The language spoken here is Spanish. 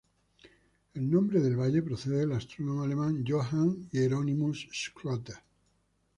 El nombre del valle procede del astrónomo alemán Johann Hieronymus Schröter.